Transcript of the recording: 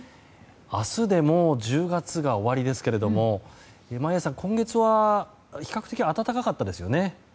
明日でもう１０月が終わりですけども眞家さん、今月は比較的暖かかったですよね。